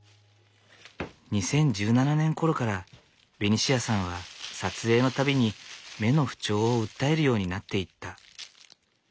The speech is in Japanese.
２０１７年ころからベニシアさんは撮影の度に目の不調を訴えるようになっていった。